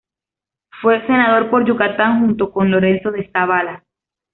Fue senador por Yucatán junto con Lorenzo de Zavala.